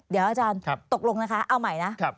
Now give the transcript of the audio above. เดี๋ยวอาจารย์ตกลงนะคะเอาใหม่นะ